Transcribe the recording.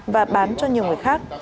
và bán cho nhiều người khác